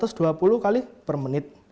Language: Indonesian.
berapa kali pijatan